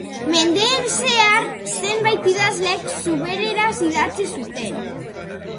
Mendeen zehar zenbait idazlek zubereraz idatzi zuten.